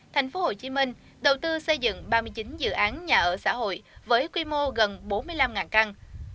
hai nghìn hai mươi thành phố hồ chí minh đầu tư xây dựng ba mươi chín dự án nhà ở xã hội với quy mô gần bốn mươi năm căn